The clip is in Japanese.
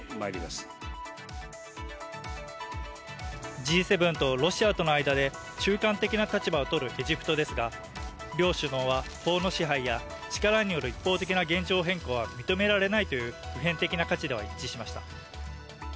Ｇ７とロシアとの間で中間的な立場をとるエジプトですが両首脳は法の支配や力による一方的な現状変更は認められないという普遍的な価値では一致しました。